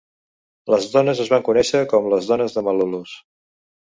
Les dones es van conèixer com les Dones de Malolos.